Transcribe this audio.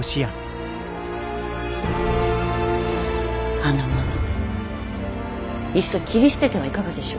あの者いっそ切り捨ててはいかがでしょうか。